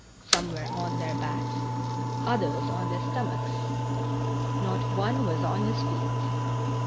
Some were on their backs, others on their stomachs; not one was on his feet.